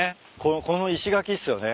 この石垣っすよね